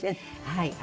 はい。